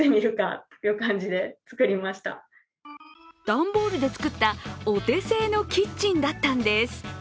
段ボールで作ったお手製のキッチンだったんです。